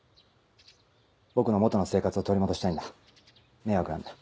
僕の元の生活を取り戻したいんだ迷惑なんだ。